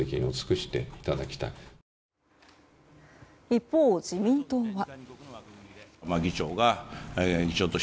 一方、自民党は。